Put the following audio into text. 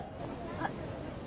あっ。